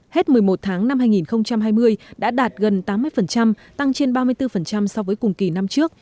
hết một mươi một tháng năm hai nghìn hai mươi đã đạt gần tám mươi tăng trên ba mươi bốn so với cùng kỳ năm trước